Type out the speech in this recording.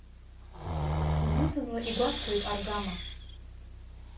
Зны-зынла игәасҭоит аргама.